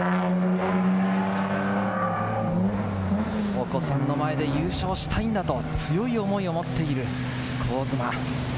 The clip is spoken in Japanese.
お子さんの前で優勝したいんだと、強い思いを持っている香妻。